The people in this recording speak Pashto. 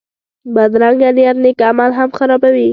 بدرنګه نیت نېک عمل هم خرابوي